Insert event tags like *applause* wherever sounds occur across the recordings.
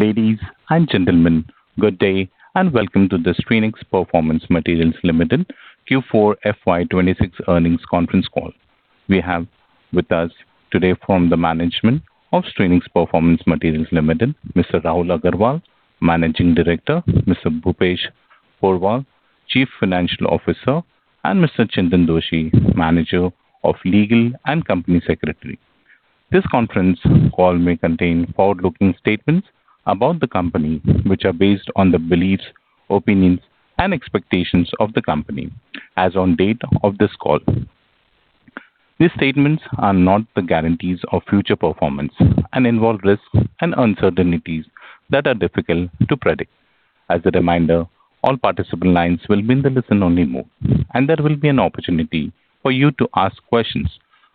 Ladies and gentlemen, good day, welcome to the Styrenix Performance Materials Limited Q4 FY 2026 earnings conference call. We have with us today from the management of Styrenix Performance Materials Limited, Mr. Rahul R. Agrawal, Managing Director, Mr. Bhupesh Porwal, Chief Financial Officer, and Mr. Chintan Doshi, Manager of Legal and Company Secretary. This conference call may contain forward-looking statements about the company which are based on the beliefs, opinions, and expectations of the company as on date of this call. These statements are not the guarantees of future performance and involve risks and uncertainties that are difficult to predict. As a reminder, all participant lines will be in the listen-only mode, there will be an opportunity for you to ask questions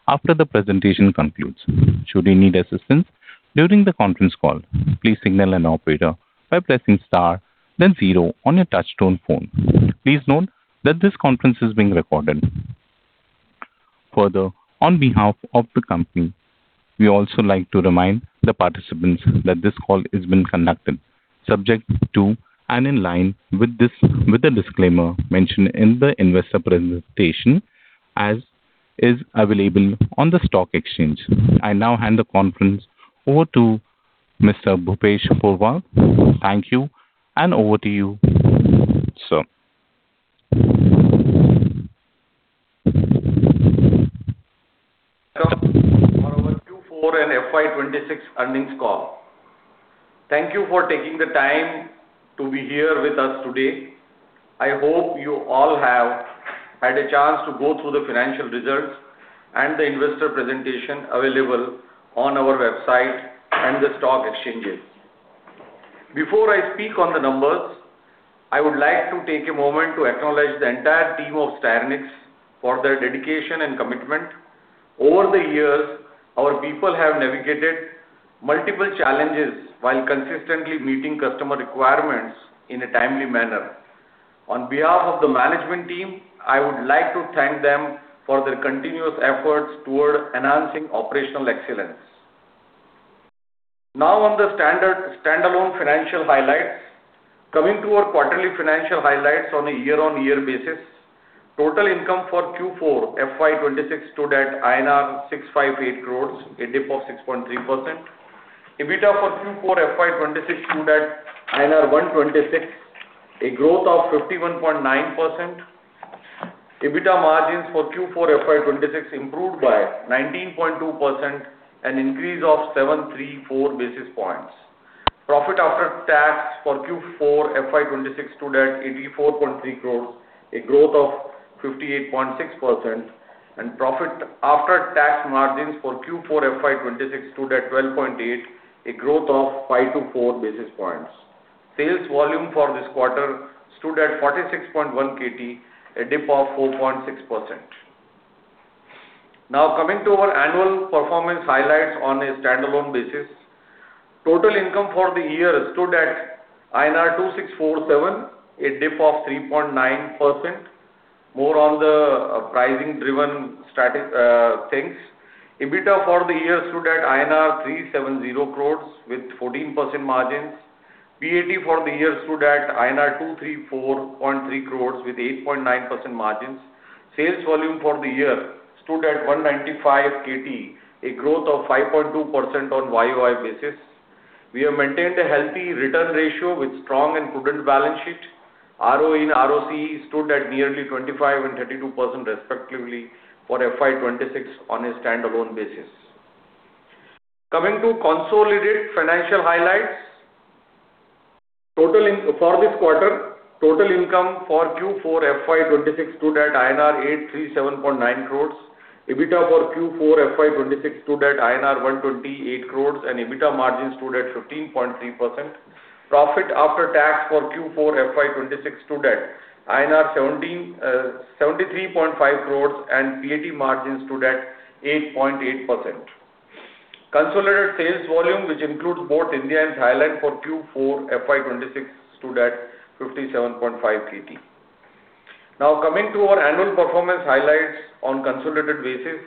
after the presentation concludes. Should you need assistance during the conference call, please signal an operator by pressing star then zero on your touchtone phone. Please note that this conference is being recorded. On behalf of the company, we also like to remind the participants that this call is being conducted subject to and in line with the disclaimer mentioned in the investor presentation as is available on the stock exchange. I now hand the conference over to Mr. Bhupesh Porwal. Thank you. Over to you, sir. For our Q4 and FY 2026 earnings call. Thank you for taking the time to be here with us today. I hope you all have had a chance to go through the financial results and the investor presentation available on our website and the stock exchanges. Before I speak on the numbers, I would like to take a moment to acknowledge the entire team of Styrenix for their dedication and commitment. Over the years, our people have navigated multiple challenges while consistently meeting customer requirements in a timely manner. On behalf of the management team, I would like to thank them for their continuous efforts toward enhancing operational excellence. Now on the standard standalone financial highlights. Coming to our quarterly financial highlights on a year-on-year basis. Total income for Q4 FY 2026 stood at INR 658 crore, a dip of 6.3%. EBITDA for Q4 FY 2026 stood at INR 126, a growth of 51.9%. EBITDA margins for Q4 FY 2026 improved by 19.2%, an increase of 734 basis points. Profit after tax for Q4 FY 2026 stood at 84.3 crore, a growth of 58.6%. Profit after tax margins for Q4 FY 2026 stood at 12.8%, a growth of 524 basis points. Sales volume for this quarter stood at 46.1 KT, a dip of 4.6%. Now coming to our annual performance highlights on a standalone basis. Total income for the year stood at INR 2,647, a dip of 3.9%, more on the pricing-driven things. EBITDA for the year stood at INR 370 crore with 14% margins. PAT for the year stood at INR 234.3 crore with 8.9% margins. Sales volume for the year stood at 195 KT, a growth of 5.2% on year-over-year basis. We have maintained a healthy return ratio with strong and prudent balance sheet. ROE and ROCE stood at nearly 25% and 32% respectively for FY 2026 on a standalone basis. Coming to consolidated financial highlights. For this quarter, total income for Q4 FY 2026 stood at INR 837.9 crore. EBITDA for Q4 FY 2026 stood at 128 crore, and EBITDA margins stood at 15.3%. Profit after tax for Q4 FY 2026 stood at INR 73.5 crore, and PAT margins stood at 8.8%. Consolidated sales volume, which includes both India and Thailand for Q4 FY 2026, stood at 57.5 KT. Now coming to our annual performance highlights on consolidated basis.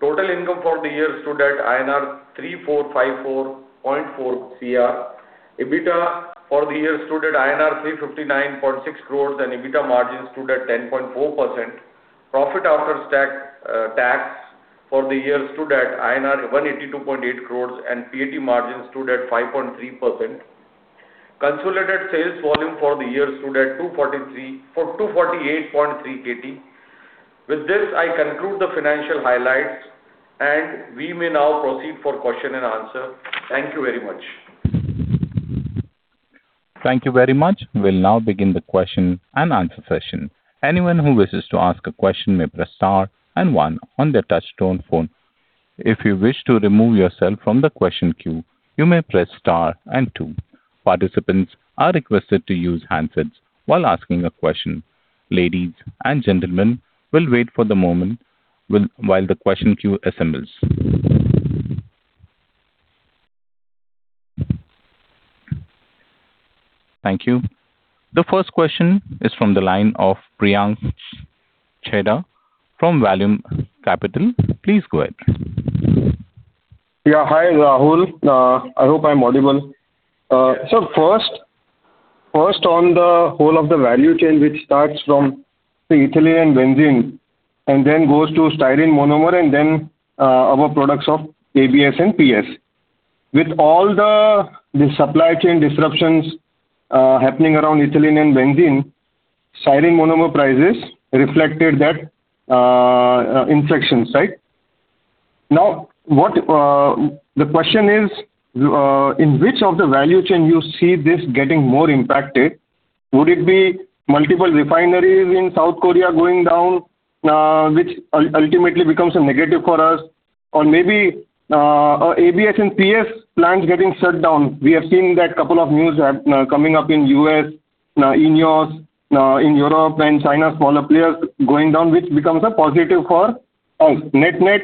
Total income for the year stood at INR 3,454.4 crore. EBITDA for the year stood at INR 359.6 crore, and EBITDA margins stood at 10.4%. Profit after tax for the year stood at INR 182.8 crore, and PAT margins stood at 5.3%. Consolidated sales volume for the year stood at 248.3 KT. With this, I conclude the financial highlights, and we may now proceed for question-and-answer. Thank you very much. Thank you very much. We'll now begin the question-and-answer session. Anyone who wishes to ask a question may press star and one on their touchtone phone. If you wish to remove yourself from the question queue, you may press star and two. Participants are requested to use handsets while asking a question. Ladies and gentlemen, we'll wait for the moment while the question queue assembles. Thank you. The first question is from the line of Priyank Chheda from Vallum Capital. Please go ahead. Hi, Rahul. I hope I'm audible. First on the whole of the value chain, which starts from the ethylene and benzene and then goes to styrene monomer and then our products of ABS and PS. With all the supply chain disruptions happening around ethylene and benzene, styrene monomer prices reflected that inflection, right? The question is, in which of the value chain you see this getting more impacted? Would it be multiple refineries in South Korea going down, which ultimately becomes a negative for us? Or maybe our ABS and PS plants getting shut down. We have seen that couple of news now coming up in U.S., now INEOS, now in Europe and China, smaller players going down, which becomes a positive for us. Net-net,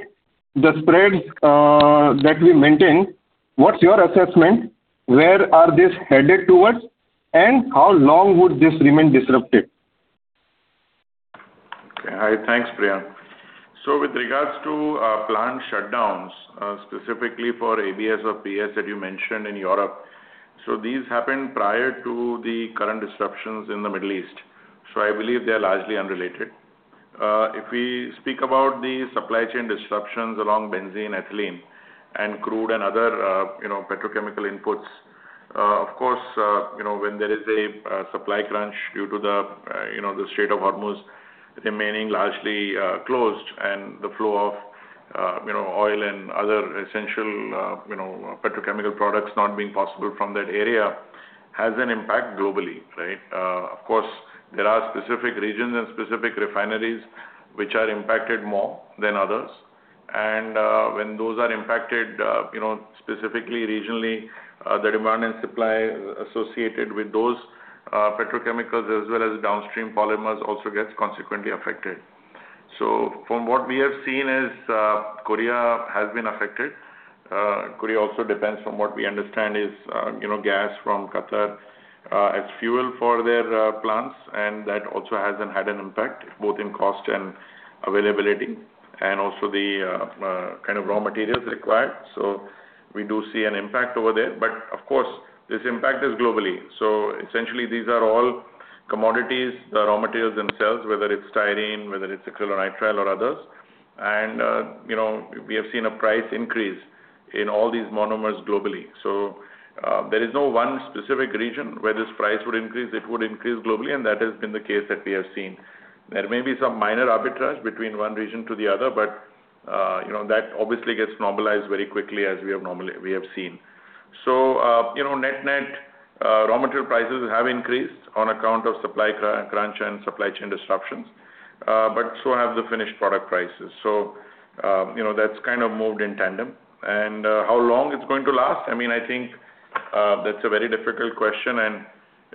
the spreads that we maintain, what's your assessment? Where are this headed towards, and how long would this remain disrupted? Thanks, Priyank. With regards to plant shutdowns, specifically for ABS or PS that you mentioned in Europe, these happened prior to the current disruptions in the Middle East, I believe they're largely unrelated. If we speak about the supply chain disruptions along benzene, ethylene and crude and other, you know, petrochemical inputs, of course, you know, when there is a supply crunch due to the, you know, the Strait of Hormuz remaining largely closed and the flow of, you know, oil and other essential, you know, petrochemical products not being possible from that area, has an impact globally, right? Of course, there are specific regions and specific refineries which are impacted more than others. When those are impacted, you know, specifically regionally, the demand and supply associated with those petrochemicals as well as downstream polymers also gets consequently affected. From what we have seen is, Korea has been affected. Korea also depends, from what we understand is, you know, gas from Qatar, as fuel for their plants, and that also has had an impact both in cost and availability and also the kind of raw materials required. We do see an impact over there. Of course, this impact is globally. Essentially, these are all commodities, the raw materials themselves, whether it's styrene, whether it's acrylonitrile or others. You know, we have seen a price increase in all these monomers globally. There is no one specific region where this price would increase. It would increase globally, and that has been the case that we have seen. There may be some minor arbitrage between one region to the other, but, you know, that obviously gets normalized very quickly as we have normally we have seen. You know, net-net, raw material prices have increased on account of supply crunch and supply chain disruptions, but so have the finished product prices. You know, that's kind of moved in tandem. How long it's going to last? I mean, I think, that's a very difficult question, and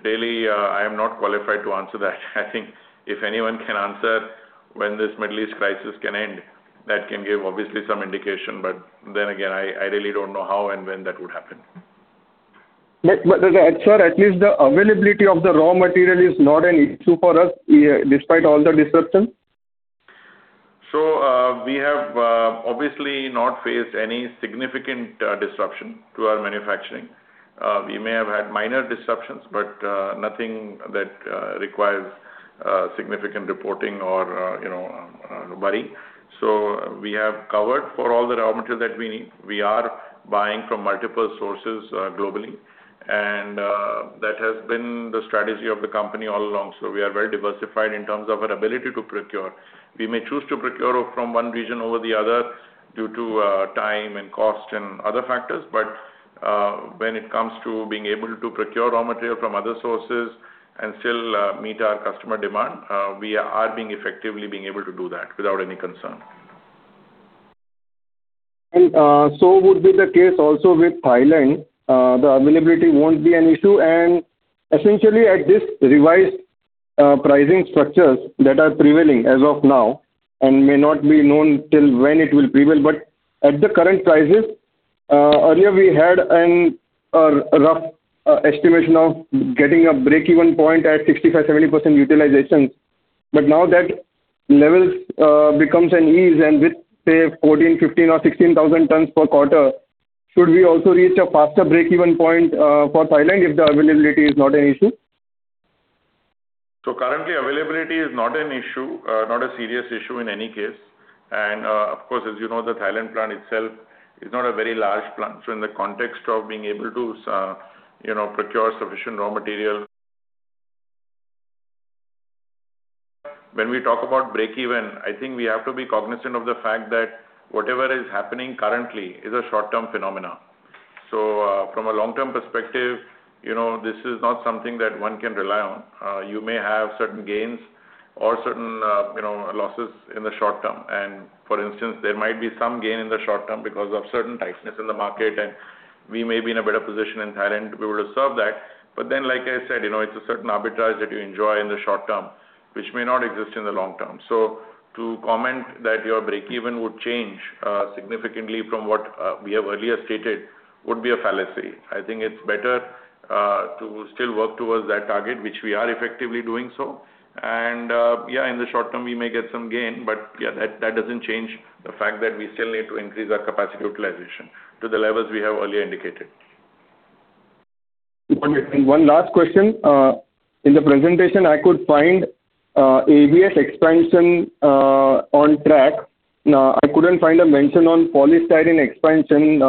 really, I am not qualified to answer that. I think if anyone can answer when this Middle East crisis can end, that can give obviously some indication. Then again, I really don't know how and when that would happen. Sir, at least the availability of the raw material is not an issue for us, despite all the disruption? We have obviously not faced any significant disruption to our manufacturing. We may have had minor disruptions, but nothing that requires significant reporting or, you know, worry. We have covered for all the raw material that we need. We are buying from multiple sources globally, and that has been the strategy of the company all along. We are very diversified in terms of our ability to procure. We may choose to procure from one region over the other due to time and cost and other factors. When it comes to being able to procure raw material from other sources and still meet our customer demand, we are being effectively being able to do that without any concern. So would be the case also with Thailand, the availability won't be an issue. Essentially at this revised pricing structures that are prevailing as of now and may not be known till when it will prevail. At the current prices, earlier we had an rough estimation of getting a break-even point at 65%-70% utilization. Now that levels becomes an ease and with, say, 14,000 tons, 15,000 tons or 16,000 tons per quarter, should we also reach a faster break-even point for Thailand if the availability is not an issue? Currently, availability is not an issue, not a serious issue in any case. Of course, as you know, the Thailand plant itself is not a very large plant. In the context of being able to, you know, procure sufficient raw material. When we talk about break-even, I think we have to be cognizant of the fact that whatever is happening currently is a short-term phenomenon. From a long-term perspective, you know, this is not something that one can rely on. You may have certain gains or certain, you know, losses in the short term. For instance, there might be some gain in the short term because of certain tightness in the market, and we may be in a better position in Thailand to be able to serve that. Like I said, you know, it's a certain arbitrage that you enjoy in the short term, which may not exist in the long term. To comment that your break even would change significantly from what we have earlier stated would be a fallacy. I think it's better to still work towards that target, which we are effectively doing so. Yeah, in the short term, we may get some gain, but yeah, that doesn't change the fact that we still need to increase our capacity utilization to the levels we have earlier indicated. One last question. In the presentation, I could find, ABS expansion, on track. I couldn't find a mention on polystyrene expansion,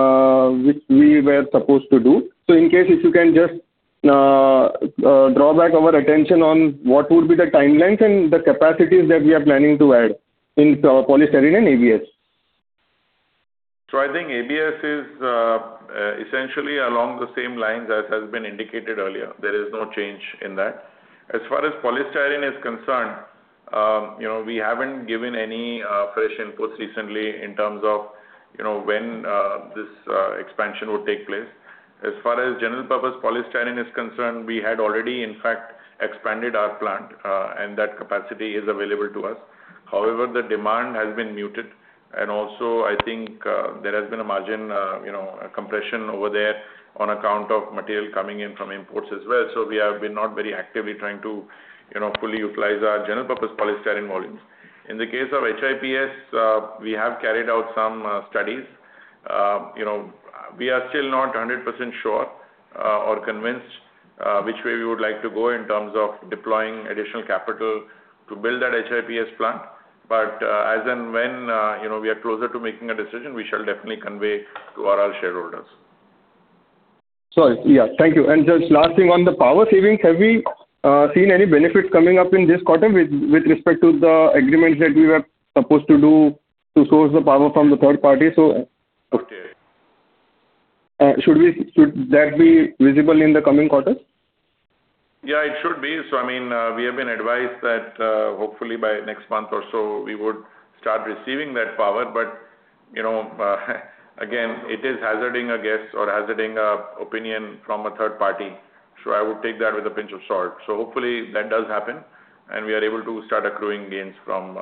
which we were supposed to do. In case if you can just, draw back our attention on what would be the timelines and the capacities that we are planning to add in polystyrene and ABS. I think ABS is essentially along the same lines as has been indicated earlier. There is no change in that. As far as polystyrene is concerned, you know, we haven't given any fresh inputs recently in terms of, you know, when this expansion would take place. As far as general purpose polystyrene is concerned, we had already in fact expanded our plant and that capacity is available to us. However, the demand has been muted, and also I think there has been a margin, you know, compression over there on account of material coming in from imports as well. We have been not very actively trying to, you know, fully utilize our general purpose polystyrene volumes. In the case of HIPS, we have carried out some studies. You know, we are still not 100% sure or convinced which way we would like to go in terms of deploying additional capital to build that HIPS plant. as and when you know we are closer to making a decision we shall definitely convey to all our shareholders. Sorry. Yeah, thank you. Just last thing on the power savings, have we seen any benefits coming up in this quarter with respect to the agreements that we were supposed to do to source the power from the third party? Okay. Should that be visible in the coming quarters? Yeah, it should be. I mean, we have been advised that, hopefully by next month or so we would start receiving that power. You know, again, it is hazarding a guess or hazarding an opinion from a third party. I would take that with a pinch of salt. Hopefully that does happen, and we are able to start accruing gains from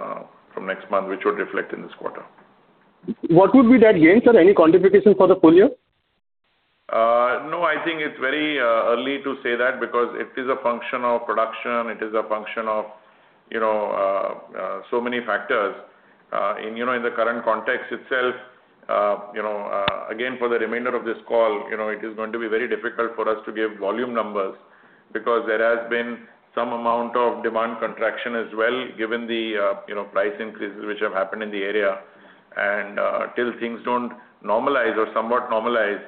next month, which would reflect in this quarter. What would be that gains or any quantification for the full year? No, I think it's very early to say that because it is a function of production, it is a function of, you know, so many factors. You know, in the current context itself, you know, again, for the remainder of this call, you know, it is going to be very difficult for us to give volume numbers because there has been some amount of demand contraction as well, given the, you know, price increases which have happened in the area. Till things don't normalize or somewhat normalize,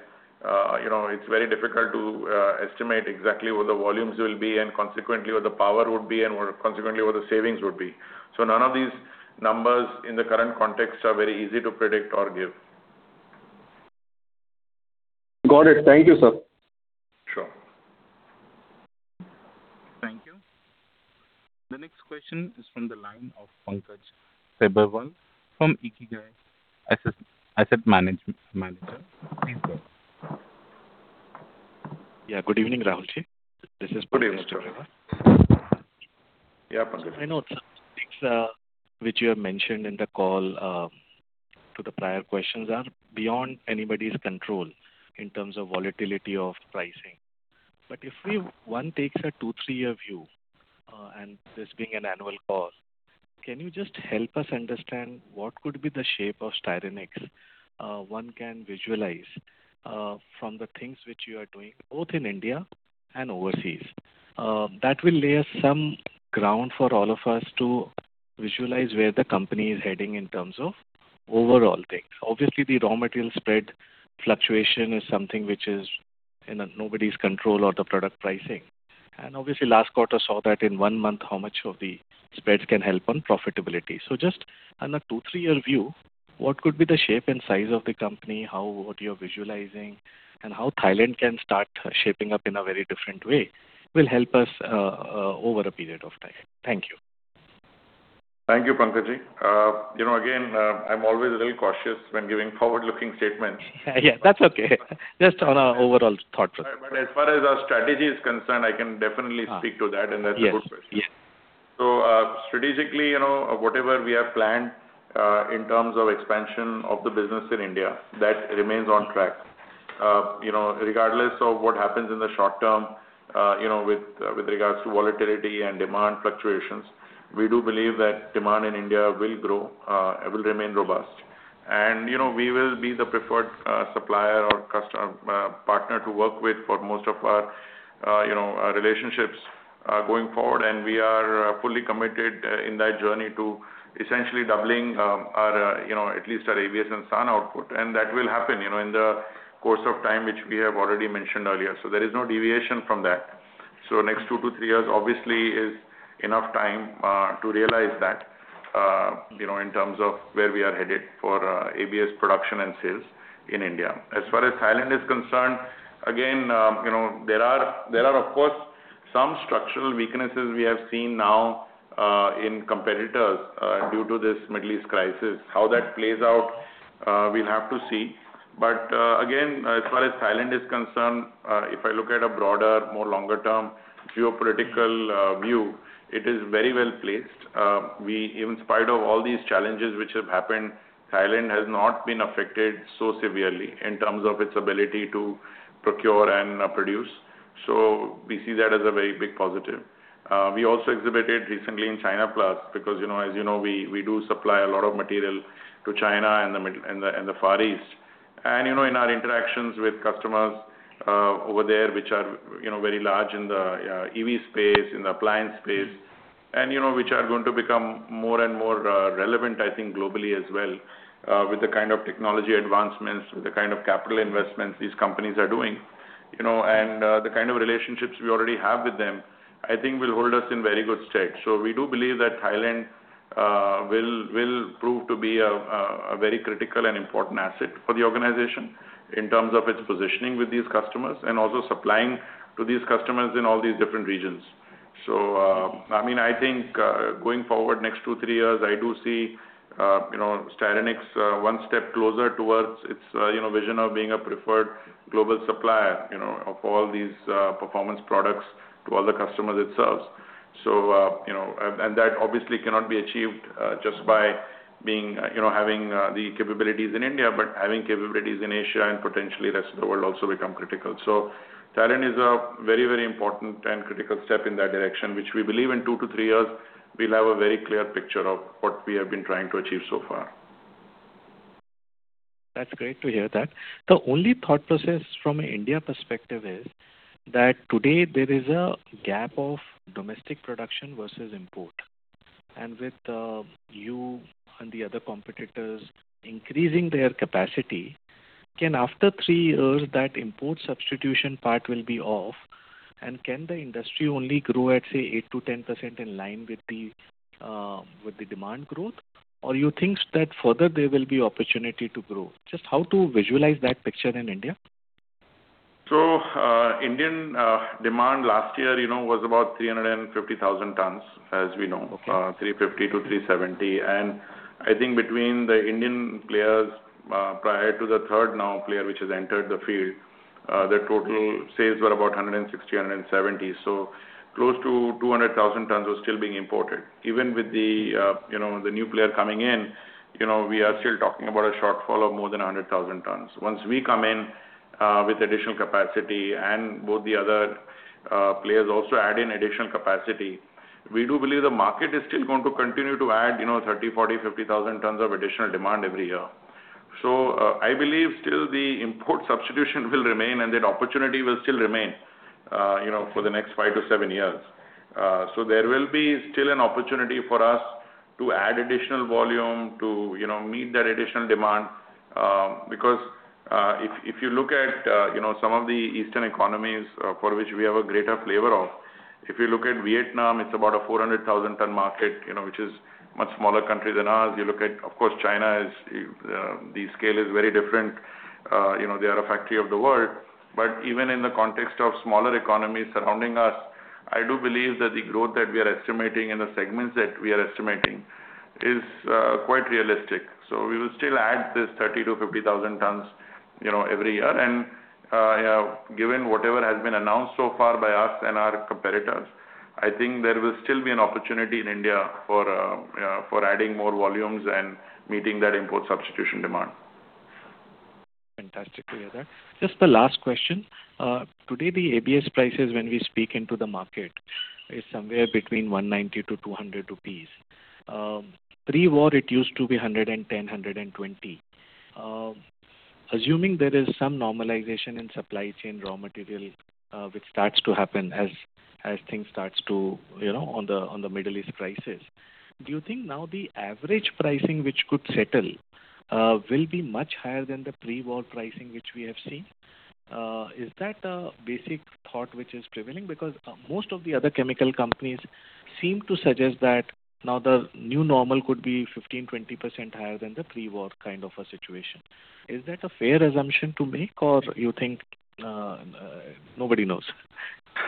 you know, it's very difficult to estimate exactly what the volumes will be and consequently what the power would be and consequently what the savings would be. None of these numbers in the current context are very easy to predict or give. Got it. Thank you, sir. Sure. Thank you. The next question is from the line of Pankaj Tibrewal from Ikigai Asset Manager. Yeah. Good evening, Rahul. This is Pankaj Tibrewal. Good evening. Yeah, Pankaj. I know some things, which you have mentioned in the call, to the prior questions are beyond anybody's control in terms of volatility of pricing. One takes a two, three-year view, and this being an annual call, can you just help us understand what could be the shape of Styrenix, one can visualize, from the things which you are doing both in India and overseas? That will lay us some ground for all of us to visualize where the company is heading in terms of overall things. Obviously, the raw material spread fluctuation is something which is in nobody's control or the product pricing. Obviously last quarter saw that in one month how much of the spreads can help on profitability. Just on a two, three-year view, what could be the shape and size of the company? What you're visualizing, and how Thailand can start shaping up in a very different way will help us over a period of time. Thank you. Thank you, Pankaj. You know, again, I'm always a little cautious when giving forward-looking statements. Yeah, that's okay. Just on an overall thought. As far as our strategy is concerned, I can definitely speak to that, and that's a good question. Yes. Yes. Strategically, you know, whatever we have planned, in terms of expansion of the business in India, that remains on track. You know, regardless of what happens in the short term, you know, with regards to volatility and demand fluctuations, we do believe that demand in India will grow, and will remain robust. We will be the preferred supplier or partner to work with for most of our, you know, our relationships, going forward. We are fully committed in that journey to essentially doubling our, you know, at least our ABS and SAN output. That will happen, you know, in the course of time, which we have already mentioned earlier. There is no deviation from that. Next two to three years obviously is enough time to realize that, you know, in terms of where we are headed for, ABS production and sales in India. As far as Thailand is concerned, again, you know, there are of course some structural weaknesses we have seen now in competitors due to this Middle East crisis. How that plays out, we'll have to see. Again, as far as Thailand is concerned, if I look at a broader, more longer term geopolitical view, it is very well-placed. In spite of all these challenges which have happened, Thailand has not been affected so severely in terms of its ability to procure and produce. We see that as a very big positive. We also exhibited recently in Chinaplas, because, you know, as you know, we do supply a lot of material to China and the Far East. In our interactions with customers over there, which are, you know, very large in the EV space, in the appliance space, and, you know, which are going to become more and more relevant, I think, globally as well, with the kind of technology advancements, with the kind of capital investments these companies are doing. You know, the kind of relationships we already have with them, I think, will hold us in very good stead. We do believe that Thailand will prove to be a very critical and important asset for the organization in terms of its positioning with these customers and also supplying to these customers in all these different regions. I mean, I think going forward next two, three years, I do see you know Styrenix one step closer towards its you know vision of being a preferred global supplier you know of all these performance products to all the customers it serves. You know and that obviously cannot be achieved just by being you know having the capabilities in India but having capabilities in Asia and potentially rest of the world also become critical. Thailand is a very, very important and critical step in that direction, which we believe in two to three years we'll have a very clear picture of what we have been trying to achieve so far. That's great to hear that. The only thought process from an India perspective is that today there is a gap of domestic production versus import. With you and the other competitors increasing their capacity, can after three years that import substitution part will be off, and can the industry only grow at, say, 8%-10% in line with the with the demand growth? You think that further there will be opportunity to grow? Just how to visualize that picture in India. Indian demand last year, you know, was about 350,000 tons, as we know- Okay. ...350-370. I think between the Indian players, prior to the third new player which has entered the field, their total sales were about 160-170. Close to 200,000 tons was still being imported. Even with the, you know, the new player coming in, you know, we are still talking about a shortfall of more than 100,000 tons. Once we come in, with additional capacity and both the other, players also add in additional capacity, we do believe the market is still going to continue to add, you know, 30,000-50,000 tons of additional demand every year. I believe still the import substitution will remain and that opportunity will still remain, you know, for the next five to seven years. There will be still an opportunity for us to add additional volume to, you know, meet that additional demand. Because if you look at, you know, some of the Eastern economies, for which we have a greater flavor of, if you look at Vietnam, it's about a 400,000 ton market, you know, which is much smaller country than ours. You look at, of course, China is the scale is very different. You know, they are a factory of the world. Even in the context of smaller economies surrounding us, I do believe that the growth that we are estimating and the segments that we are estimating is quite realistic. We will still add this 30,000 tons-50,000 tons, you know, every year. Given whatever has been announced so far by us and our competitors, I think there will still be an opportunity in India for adding more volumes and meeting that import substitution demand. Fantastic to hear that. Just the last question. Today the ABS prices when we speak into the market is somewhere between 190-200 rupees. Pre-war it used to be 110, 120. Assuming there is some normalization in supply chain raw material, which starts to happen as things starts to, you know, on the Middle East prices. Do you think now the average pricing which could settle will be much higher than the pre-war pricing which we have seen? Is that a basic thought which is prevailing? Most of the other chemical companies seem to suggest that now the new normal could be 15%-20% higher than the pre-war kind of a situation. Is that a fair assumption to make, or you think nobody knows?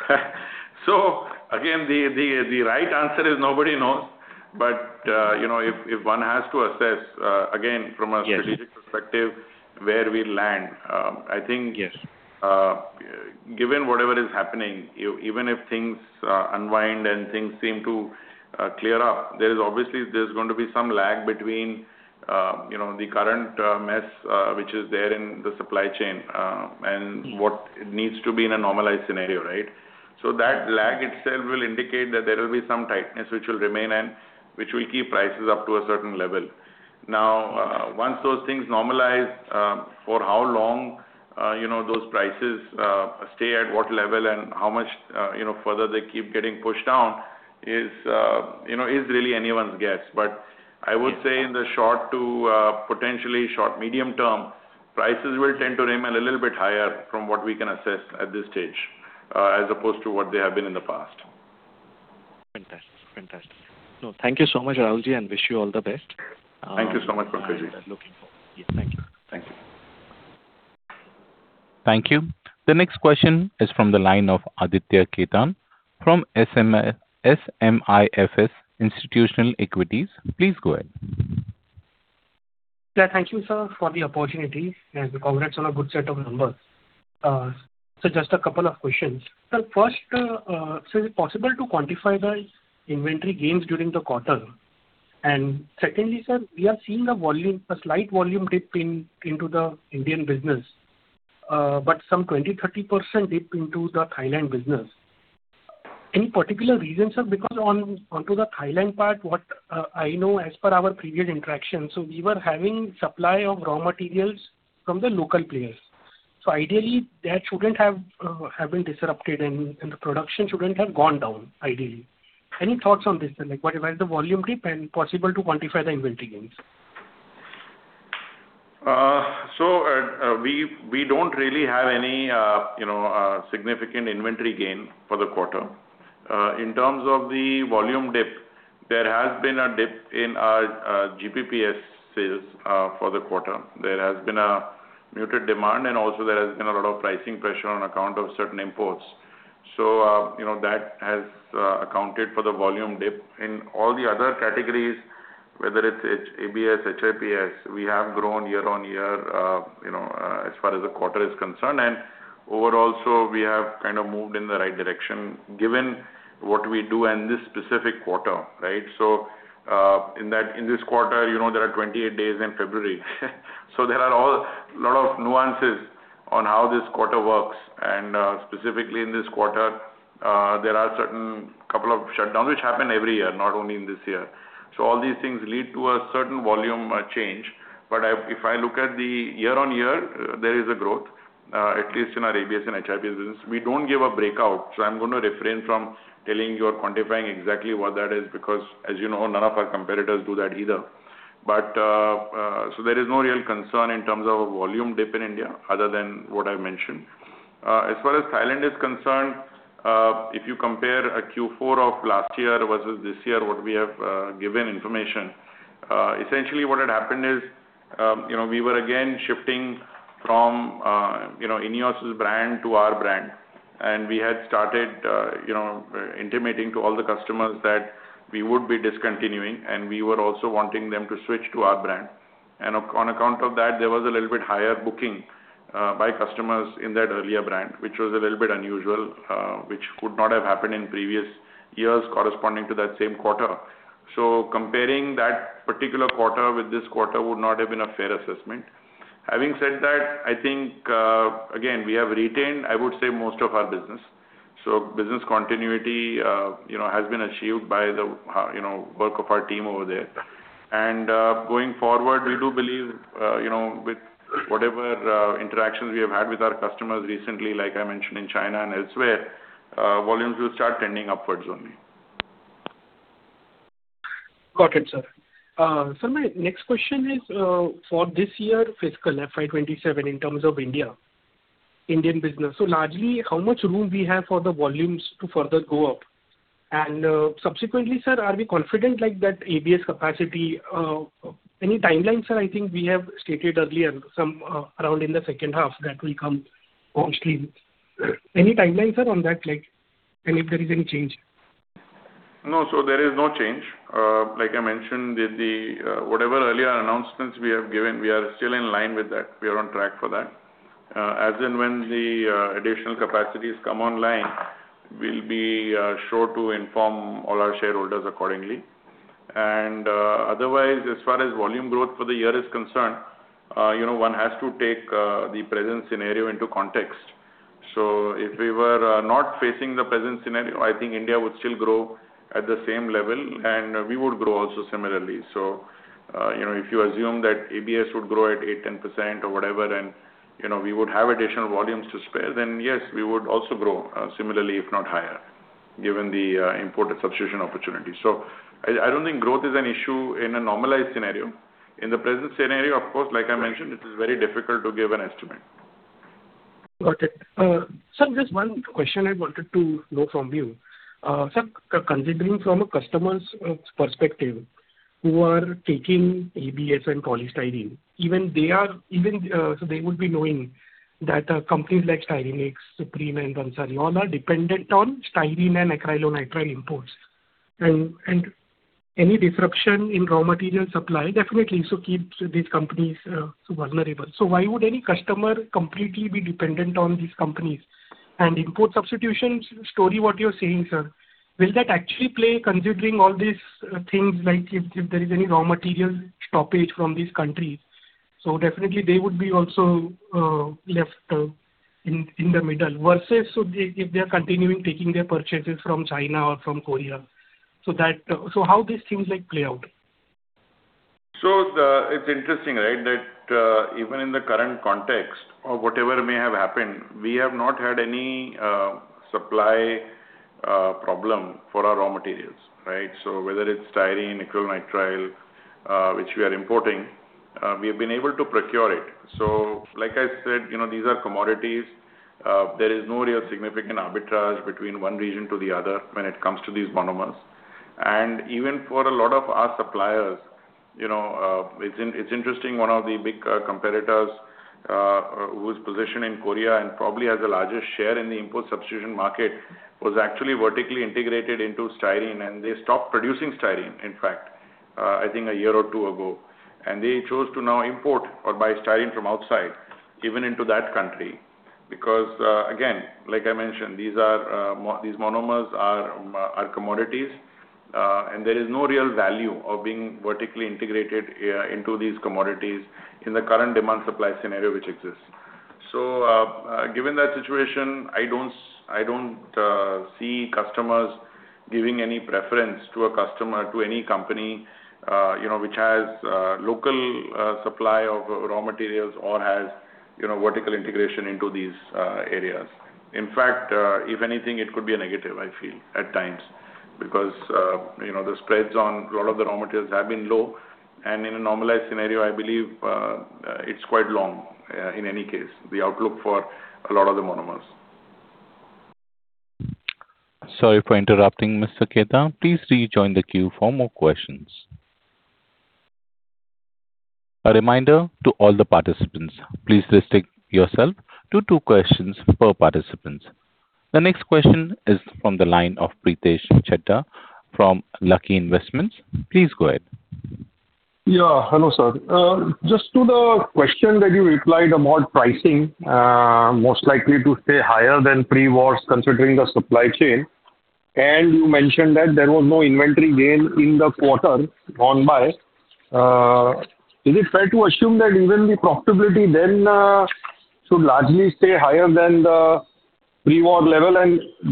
Again, the right answer is nobody knows. you know, if one has to assess, again from a- Yes. ...strategic perspective where we land, I think- Yes. ...given whatever is happening, even if things unwind and things seem to clear up, there is obviously there's going to be some lag between you know the current mess which is there in the supply chain and what needs to be in a normalized scenario, right? That lag itself will indicate that there will be some tightness which will remain and which will keep prices up to a certain level. Once those things normalize, for how long you know those prices stay at what level and how much you know further they keep getting pushed down is you know is really anyone's guess. I would say in the short to potentially short, medium term, prices will tend to remain a little bit higher from what we can assess at this stage, as opposed to what they have been in the past. Fantastic. Fantastic. No, thank you so much, Rahul, and wish you all the best. Thank you so much, Pankaj. Looking forward. Yes, thank you. Thank you. Thank you. The next question is from the line of Aditya Khetan from SMIFS Institutional Equities. Please go ahead. Yeah, thank you, sir, for the opportunity, and congrats on a good set of numbers. Just a couple of questions. Sir, first, is it possible to quantify the inventory gains during the quarter? Secondly, sir, we are seeing the volume, a slight volume dip in, into the Indian business, but some 20%-30% dip into the Thailand business. Any particular reason, sir? Because onto the Thailand part, what, I know as per our previous interaction, we were having supply of raw materials from the local players. Ideally, that shouldn't have have been disrupted and the production shouldn't have gone down, ideally. Any thoughts on this, sir? Like, what about the volume dip, and possible to quantify the inventory gains? We don't really have any, you know, significant inventory gain for the quarter. In terms of the volume dip, there has been a dip in our GPPS sales for the quarter. There has been a muted demand, and also there has been a lot of pricing pressure on account of certain imports. You know, that has accounted for the volume dip. In all the other categories, whether it's ABS, HIPS, we have grown year-on-year, you know, as far as the quarter is concerned. Overall, we have kind of moved in the right direction, given what we do in this specific quarter, right? In that, in this quarter, you know, there are 28 days in February. There are a lot of nuances on how this quarter works. Specifically in this quarter, there are certain couple of shutdowns which happen every year, not only in this year. All these things lead to a certain volume change. If I look at the year-over-year, there is a growth, at least in our ABS and HIPS business. We don't give a breakout, so I'm gonna refrain from telling you or quantifying exactly what that is, because, as you know, none of our competitors do that either. There is no real concern in terms of a volume dip in India other than what I've mentioned. As far as Thailand is concerned, if you compare a Q4 of last year versus this year, what we have, given information, essentially what had happened is, you know, we were again shifting from, you know, INEOS's brand to our brand. We had started, you know, intimating to all the customers that we would be discontinuing, and we were also wanting them to switch to our brand and on account of that, there was a little bit higher booking, by customers in that earlier brand, which was a little bit unusual, which could not have happened in previous years corresponding to that same quarter. comparing that particular quarter with this quarter would not have been a fair assessment. Having said that, I think, again, we have retained, I would say, most of our business. Business continuity, you know, has been achieved by the, you know, work of our team over there. Going forward, we do believe, you know, with whatever, interactions we have had with our customers recently, like I mentioned in China and elsewhere, volumes will start trending upwards only. Got it, sir. Sir, my next question is, for this year fiscal, FY 2027, in terms of India, Indian business. Largely, how much room we have for the volumes to further go up? Subsequently, sir, are we confident like that ABS capacity, any timelines, sir? I think we have stated earlier, some, around in the second half that will come on stream. Any timelines, sir, on that, like, and if there is any change? No, there is no change. Like I mentioned, whatever earlier announcements we have given, we are still in line with that. We are on track for that. As and when the additional capacities come online, we'll be sure to inform all our shareholders accordingly. Otherwise, as far as volume growth for the year is concerned, you know, one has to take the present scenario into context. If we were not facing the present scenario, I think India would still grow at the same level, and we would grow also similarly. You know, if you assume that ABS would grow at 8%-10% or whatever, and you know, we would have additional volumes to spare, then yes, we would also grow similarly, if not higher, given the import and substitution opportunity. I don't think growth is an issue in a normalized scenario. In the present scenario, of course, like I mentioned, it is very difficult to give an estimate. Got it. Sir, just one question I wanted to know from you. Sir, considering from a customer's perspective, who are taking ABS and polystyrene, even they are so they would be knowing that companies like Styrenix, Supreme, and *inaudible* all are dependent on styrene and acrylonitrile imports. Any disruption in raw material supply definitely so keeps these companies so vulnerable. Why would any customer completely be dependent on these companies? Import substitutions story, what you're saying, sir, will that actually play considering all these things like if there is any raw material stoppage from these countries? Definitely they would be also left in the middle versus if they're continuing taking their purchases from China or from Korea. How these things like play out? It's interesting, right, that even in the current context of whatever may have happened, we have not had any supply problem for our raw materials, right? Whether it's styrene, acrylonitrile, which we are importing, we have been able to procure it. Like I said, you know, these are commodities. There is no real significant arbitrage between one region to the other when it comes to these monomers. Even for a lot of our suppliers, you know, it's interesting one of the big competitors whose position in Korea and probably has the largest share in the import substitution market, was actually vertically integrated into styrene, and they stopped producing styrene, in fact, I think a year or two ago. They chose to now import or buy styrene from outside, even into that country, because, again, like I mentioned, these monomers are commodities, and there is no real value of being vertically integrated into these commodities in the current demand supply scenario which exists. Given that situation, I don't see customers giving any preference to a customer, to any company, you know, which has local supply of raw materials or has, you know, vertical integration into these areas. In fact, if anything, it could be a negative, I feel, at times, because, you know, the spreads on a lot of the raw materials have been low. In a normalized scenario, I believe, it's quite long, in any case, the outlook for a lot of the monomers. Sorry for interrupting, Mr. Khetan. Please rejoin the queue for more questions. A reminder to all the participants. Please restrict yourself to two questions per participant. The next question is from the line of Pritesh Chheda from Lucky Investments. Please go ahead. Yeah, hello sir. Just to the question that you replied about pricing, most likely to stay higher than pre-war considering the supply chain. You mentioned that there was no inventory gain in the quarter gone by. Is it fair to assume that even the profitability then, should largely stay higher than the pre-war level?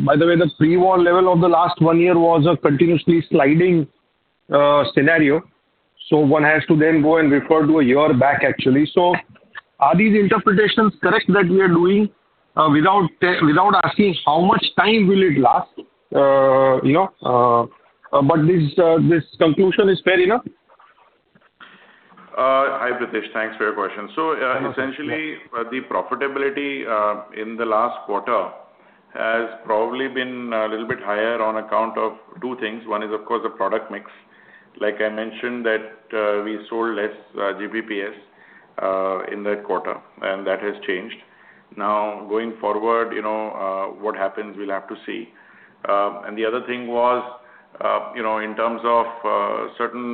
By the way, the pre-war level of the last one year was a continuously sliding scenario. One has to then go and refer to a year back, actually. Are these interpretations correct that we are doing, without asking how much time will it last? You know, but this conclusion is fair enough? Hi, Pritesh. Thanks for your question- No problem. ...essentially, the profitability, in the last quarter has probably been a little bit higher on account of two things. One is, of course, the product mix. Like I mentioned that, we sold less GPPS in that quarter, that has changed. Now, going forward, you know, what happens, we'll have to see. The other thing was, you know, in terms of certain,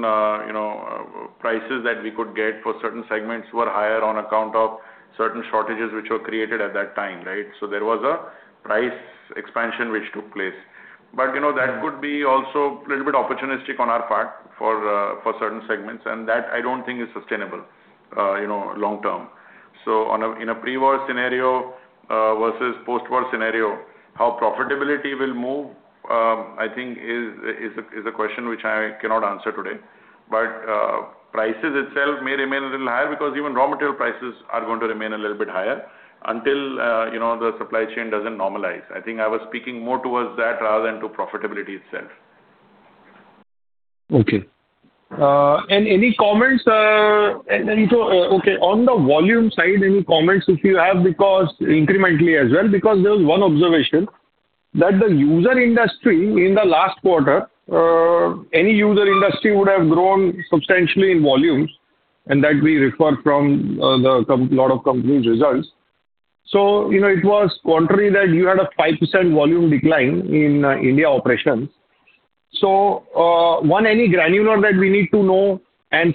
you know, prices that we could get for certain segments were higher on account of certain shortages which were created at that time, right? There was a price expansion which took place. You know, that could be also a little bit opportunistic on our part for certain segments, that I don't think is sustainable, you know, long term. In a pre-war scenario, versus post-war scenario, how profitability will move, I think is a question which I cannot answer today. Prices itself may remain a little higher because even raw material prices are going to remain a little bit higher until, you know, the supply chain doesn't normalize. I think I was speaking more towards that rather than to profitability itself. Okay. Any comments, okay, on the volume side, any comments if you have, because incrementally as well, because there was one observation that the user industry in the last quarter, any user industry would have grown substantially in volumes, and that we refer from lot of companies' results. You know, it was contrary that you had a 5% volume decline in India operations. One, any granular that we need to know.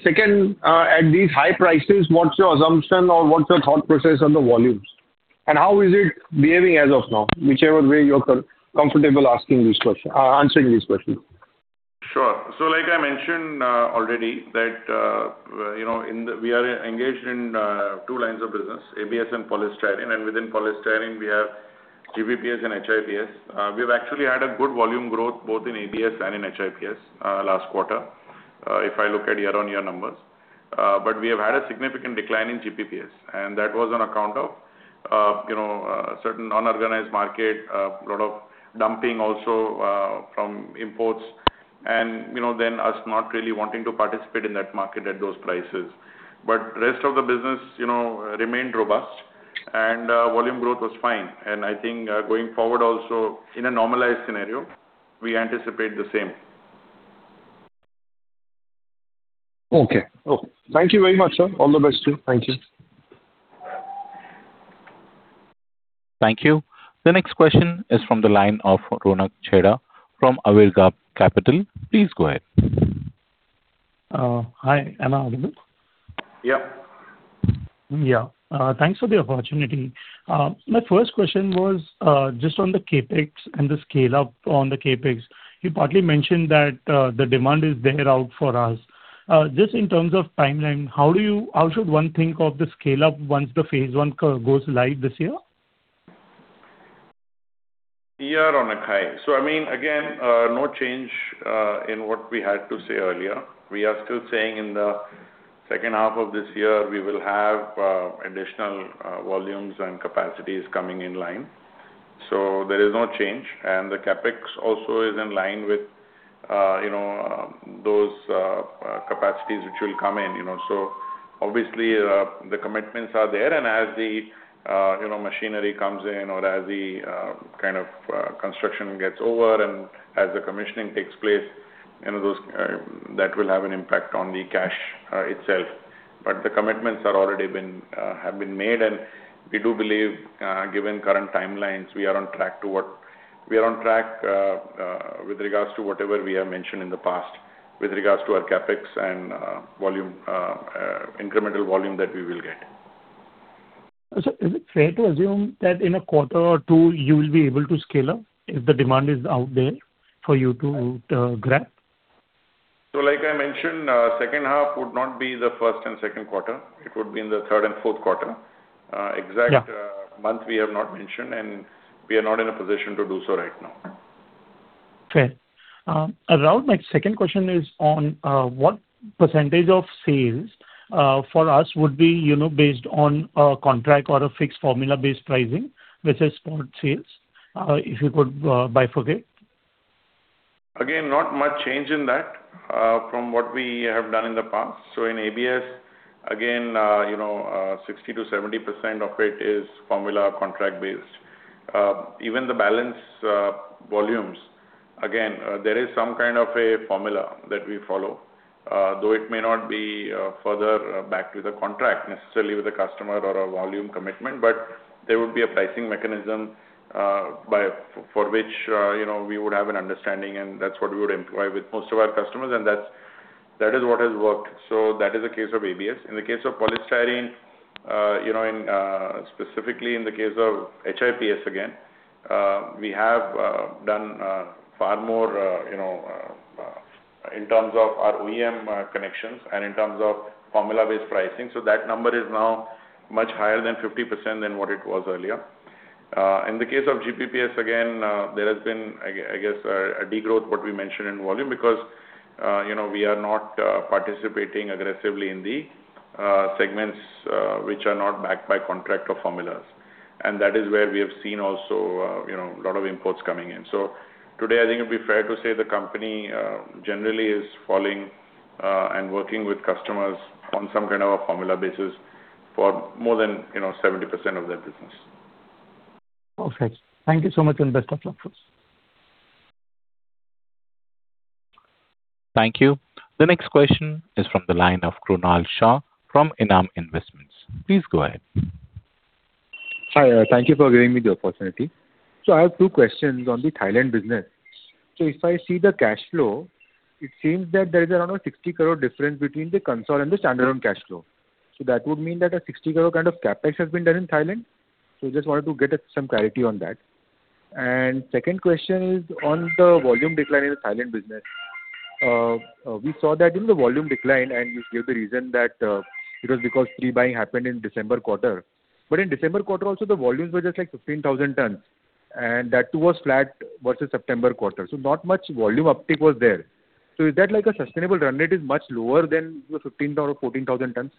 Second, at these high prices, what's your assumption or what's your thought process on the volumes? How is it behaving as of now? Whichever way you're comfortable asking this question, answering this question. Sure. Like I mentioned, already that, you know, we are engaged in two lines of business, ABS and polystyrene. Within polystyrene, we have GPPS and HIPS. We've actually had a good volume growth both in ABS and in HIPS, last quarter, if I look at year-on-year numbers. We have had a significant decline in GPPS, and that was on account of, you know, certain unorganized market, a lot of dumping also, from imports and, you know, then us not really wanting to participate in that market at those prices. Rest of the business, you know, remained robust and volume growth was fine. I think, going forward also in a normalized scenario, we anticipate the same. Okay. Oh, thank you very much, sir. All the best to you. Thank you. Thank you. The next question is from the line of Ronak Chheda from Awriga Capital. Please go ahead. Hi. Am I audible? Yeah. Yeah. Thanks for the opportunity. My first question was, just on the CapEx and the scale-up on the CapEx. You partly mentioned that, the demand is there out for us. Just in terms of timeline, how should one think of the scale-up once the phase I goes live this year? Year on a high. I mean, again, no change in what we had to say earlier. We are still saying in the second half of this year, we will have additional volumes and capacities coming in line. There is no change, the CapEx also is in line with, you know, those capacities which will come in, you know. Obviously, the commitments are there, and as the, you know, machinery comes in or as the kind of construction gets over and as the commissioning takes place, you know, those that will have an impact on the cash itself. The commitments have been made. We do believe, given current timelines, We are on track with regards to whatever we have mentioned in the past with regards to our CapEx and, volume, incremental volume that we will get. Is it fair to assume that in quarter two you will be able to scale up if the demand is out there for you to grab? Like I mentioned, second half would not be the first and second quarter. It would be in the third and fourth quarter- Yeah. ...month we have not mentioned, and we are not in a position to do so right now. Fair. Rahul, my second question is on what percentage of sales for us would be, you know, based on a contract or a fixed formula-based pricing versus spot sales, if you could bifurcate? Again, not much change in that, from what we have done in the past. In ABS, again, you know, 60%-70% of it is formula contract based. Even the balance volumes, again, there is some kind of a formula that we follow, though it may not be further backed with a contract necessarily with a customer or a volume commitment, but there would be a pricing mechanism, by, for which, you know, we would have an understanding, and that is what we would employ with most of our customers, and that is what has worked. That is the case of ABS. In the case of polystyrene, you know, in, specifically in the case of HIPS again, we have done far more, you know, in terms of our OEM connections and in terms of formula-based pricing. That number is now much higher than 50% than what it was earlier. In the case of GPPS, again, there has been I guess a degrowth what we mentioned in volume because, you know, we are not participating aggressively in the segments which are not backed by contract or formulas. That is where we have seen also, you know, lot of imports coming in. Today, I think it'd be fair to say the company, generally is following and working with customers on some kind of a formula basis for more than, you know, 70% of their business. Okay. Thank you so much. Best of luck to us. Thank you. The next question is from the line of Krunal Shah from ENAM Investments. Please go ahead. Hi. Thank you for giving me the opportunity. I have two questions on the Thailand business. If I see the cash flow, it seems that there is around a 60 crore difference between the consol and the standalone cash flow. That would mean that a 60 crore kind of CapEx has been done in Thailand. Just wanted to get some clarity on that. Second question is on the volume decline in the Thailand business. We saw that in the volume decline, and you gave the reason that it was because pre-buying happened in December quarter. In December quarter also the volumes were just like 15,000 tons, and that too was flat versus September quarter. Not much volume uptick was there. Is that like a sustainable run rate is much lower than the 14,000 tons?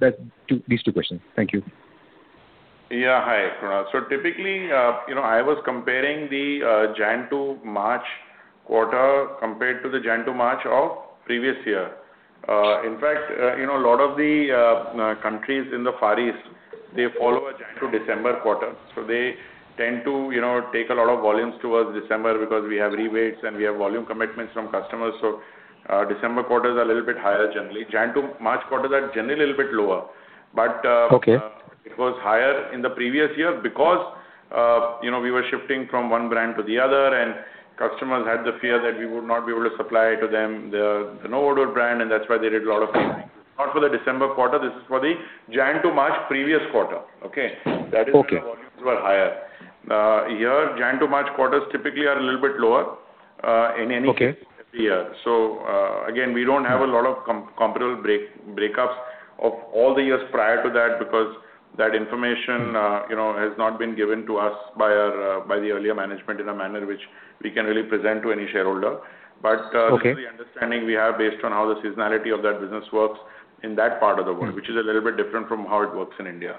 That's two, these two questions. Thank you. Yeah. Hi, Krunal. Typically, you know, I was comparing the January to March quarter compared to the January to March of previous year. In fact, you know, a lot of the countries in the Far East, they follow a January to December quarter. They tend to, you know, take a lot of volumes towards December because we have rebates and we have volume commitments from customers. December quarters are a little bit higher generally. January to March quarters are generally a little bit lower. Okay. It was higher in the previous year because, you know, we were shifting from one brand to the other. Customers had the fear that we would not be able to supply to them the Novodur brand. That's why they did a lot of pre-buying. Not for the December quarter. This is for the January to March previous quarter. Okay? Okay. That is why volumes were higher. Here January to March quarters typically are a little bit lower- Okay. ...case every year. Again, we don't have a lot of comparable breakups of all the years prior to that because that information, you know, has not been given to us by our by the earlier management in a manner which we can really present to any shareholder. Okay. This is the understanding we have based on how the seasonality of that business works in that part of the world, which is a little bit different from how it works in India.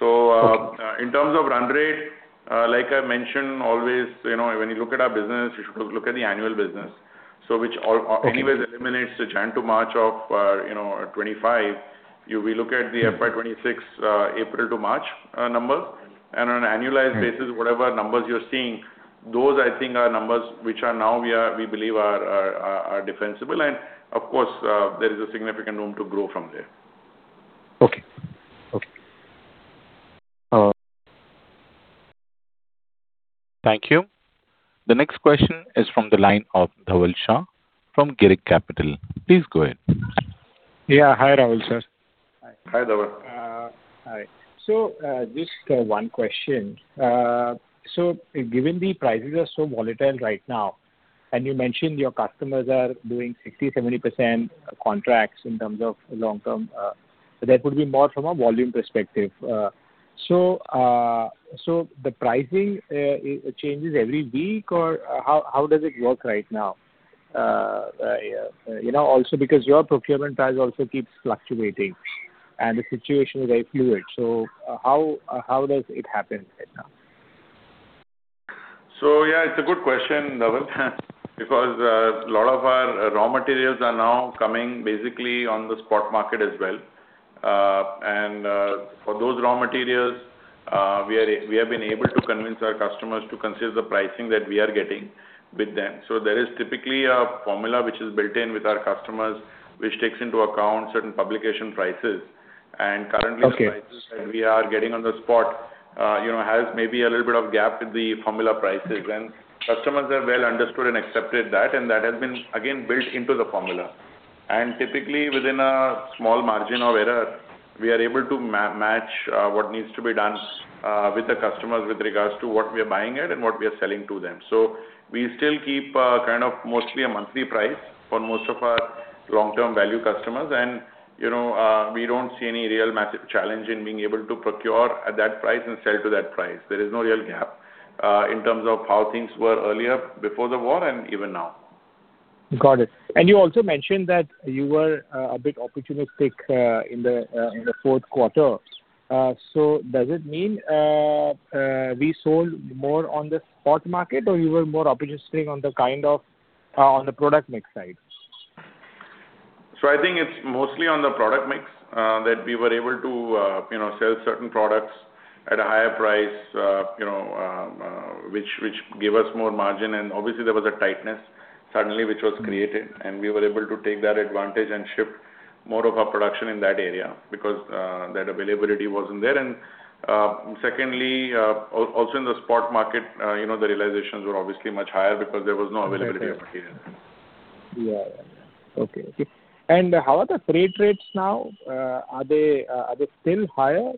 In terms of run rate, like I mentioned always, you know, when you look at our business, you should look at the annual business. Okay. Anyway, eliminates the January to March of, you know, 2025. We look at the FY 2026 April to March numbers. On an annualized basis, whatever numbers you're seeing, those I think are numbers which are now we are, we believe are defensible. Of course, there is a significant room to grow from there. Okay. Okay. Thank you. The next question is from the line of Dhaval Shah from Girik Capital. Please go ahead. Yeah. Hi, Rahul sir. Hi. Hi, Dhaval. Hi. Just one question. Given the prices are so volatile right now, and you mentioned your customers are doing 60%, 70% contracts in terms of long-term, that would be more from a volume perspective. The pricing, it changes every week or how does it work right now? You know, also because your procurement price also keeps fluctuating. The situation is very fluid. How, how does it happen right now? Yeah, it's a good question, Dhaval. A lot of our raw materials are now coming basically on the spot market as well. For those raw materials, we have been able to convince our customers to consider the pricing that we are getting with them. There is typically a formula which is built in with our customers, which takes into account certain publication prices- Okay. ...the prices that we are getting on the spot, you know, has maybe a little bit of gap with the formula prices. Customers have well understood and accepted that, and that has been again built into the formula. Typically within a small margin of error, we are able to match what needs to be done with the customers with regards to what we are buying it and what we are selling to them. We still keep kind of mostly a monthly price for most of our long-term value customers. You know, we don't see any real massive challenge in being able to procure at that price and sell to that price. There is no real gap in terms of how things were earlier before the war and even now. Got it. You also mentioned that you were a bit opportunistic in the fourth quarter. Does it mean we sold more on the spot market, or you were more opportunistic on the kind of, on the product mix side? I think it's mostly on the product mix that we were able to, you know, sell certain products at a higher price, you know, which gave us more margin. Obviously there was a tightness suddenly which was created, and we were able to take that advantage and shift more of our production in that area because that availability wasn't there. Secondly, also in the spot market, you know, the realizations were obviously much higher because there was no availability of material. Yeah. Yeah. Yeah. Okay. Okay. How are the freight rates now? Are they still higher?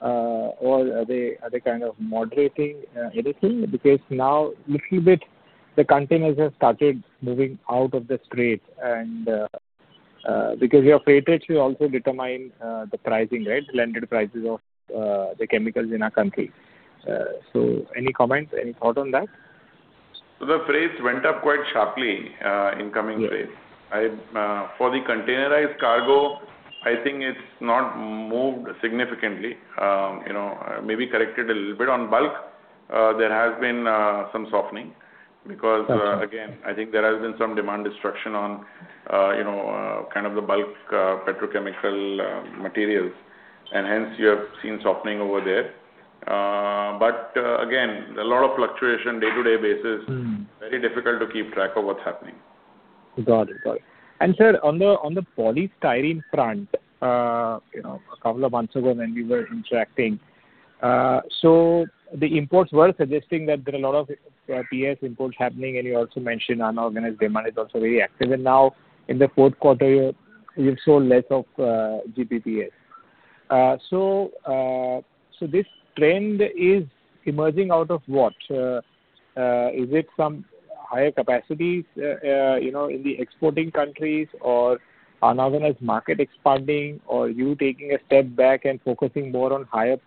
Or are they kind of moderating anything? Now little bit the containers have started moving out of the straits and because your freight rates will also determine the pricing, right? The landed prices of the chemicals in our country. Any comments, any thought on that? The freights went up quite sharply, in coming trades. Yeah. I, for the containerized cargo, I think it's not moved significantly. You know, maybe corrected a little bit. On bulk, there has been some softening- Okay. ...again, I think there has been some demand destruction on, you know, kind of the bulk, petrochemical, materials and hence you have seen softening over there. Again, a lot of fluctuation day-to-day basis. Very difficult to keep track of what's happening. Got it. Got it. Sir, on the polystyrene front, you know, a couple of months ago when we were interacting, the imports were suggesting that there are a lot of PS imports happening, and you also mentioned unorganized demand is also very active. Now in the fourth quarter, you've sold less of GPPS. This trend is emerging out of what? Is it some higher capacity, you know, in the exporting countries or unorganized market expanding, or you taking a step back and focusing more on higher